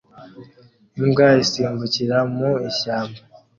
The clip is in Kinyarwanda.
Imbwa isimbukira mu ishyamba